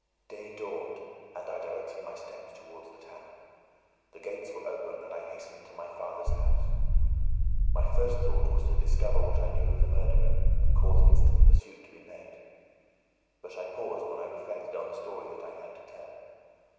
Day dawned; and I directed my steps towards the town. The gates were open, and I hastened to my father's house. My first thought was to discover what I knew of the murderer, and cause instant pursuit to be made. But I paused when I reflected on the story that I had to tell.